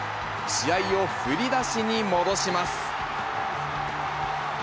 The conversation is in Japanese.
試合を振り出しに戻します。